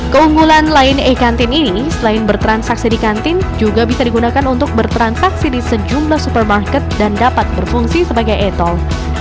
keunggulan lain e kantin ini selain bertransaksi di kantin juga bisa digunakan untuk bertransaksi di sejumlah supermarket dan dapat berfungsi sebagai e tol